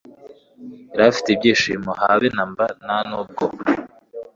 yari afite ibyishimo habe namba ntanubwo